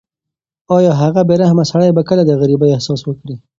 ایا هغه بې رحمه سړی به کله د غریبۍ احساس وکړي؟